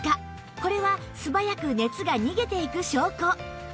これは素早く熱が逃げていく証拠